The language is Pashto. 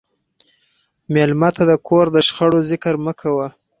مېلمه ته د کور د شخړو ذکر مه کوه.